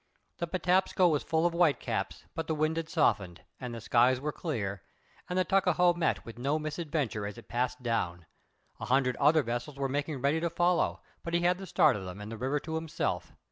The Patapsco was full of white caps, but the wind had softened and the skies were clear, and the Tuckahoe met with no misadventure as it passed down. A hundred other vessels were making ready to follow, but he had the start of them and the river to himself.